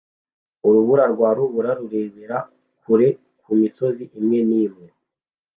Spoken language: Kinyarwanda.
Urubura rwa rubura rurebera kure ku misozi imwe n'imwe